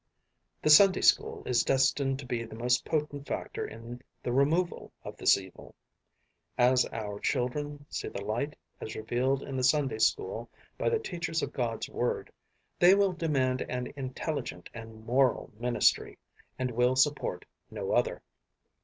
The Sunday school is destined to be the most potent factor in the removal of this evil. As our children see the light as revealed in the Sunday school by the teachers of God's word, they will demand an intelligent and moral ministry and will support no other.